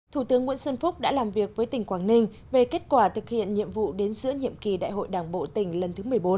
thủ tướng nguyễn xuân phúc đã làm việc với tỉnh quảng ninh về kết quả thực hiện nhiệm vụ đến giữa nhiệm kỳ đại hội đảng bộ tỉnh lần thứ một mươi bốn